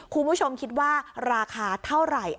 คุณผู้ชมคิดว่าราคาเท่าไหร่